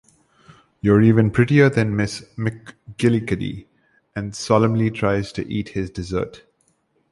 You're even prettier than Miss McGillicuddy, and solemnly tries to eat his dessert.